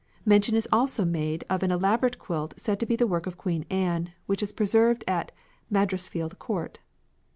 Mention is also made of an elaborate quilt said to be the work of Queen Anne, which is preserved at Madresfield Court.